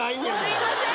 すみません。